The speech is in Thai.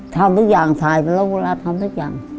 ทำทุกอย่างหรือกบุร้าทำทุกอย่าง